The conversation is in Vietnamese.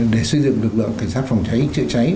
để xây dựng lực lượng cảnh sát phòng cháy chữa cháy